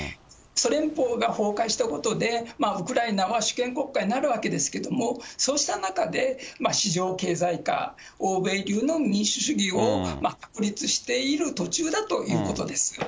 ソ連邦が崩壊したことで、ウクライナは主権国家になるわけですけれども、そうした中で、市場経済化、欧米流の民主主義を確立している途中だということです。